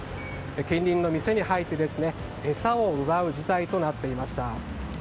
近隣の店に入って餌を奪う事態となっていました。